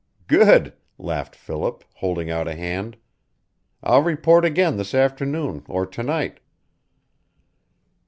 "Good!" laughed Philip, holding out a hand. "I'll report again this afternoon or to night."